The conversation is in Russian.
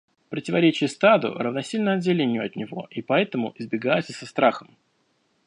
Противоречие стаду равносильно отделению от него и потому избегается со страхом.